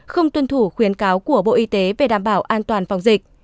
không tuân thủ khuyến cáo của bộ y tế về đảm bảo an toàn phòng dịch